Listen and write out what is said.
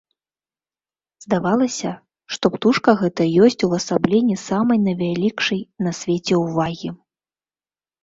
Здавалася, што птушка гэта ёсць увасабленне самай найвялікшай на свеце ўвагі.